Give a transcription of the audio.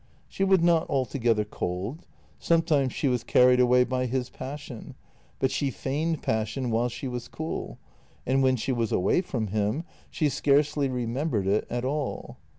She was not altogether cold; sometimes she was carried away by his passion, but she feigned passion while she was cool, and when she was away from him she scarcely 206 JENNY remembered it at all.